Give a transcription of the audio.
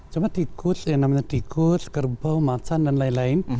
cuma tikus yang namanya tikus kerbau macan dan lain lain